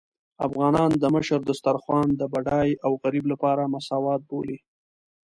افغانان د مشر دسترخوان د بډای او غريب لپاره مساوات بولي.